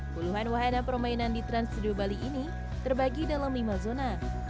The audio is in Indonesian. puluhan wahana permainan di trans studio bali ini terbagi dalam lima zona